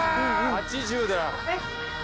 ８０だ。